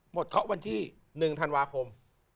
หมดเคราะห์วันที่๑ธันวาคม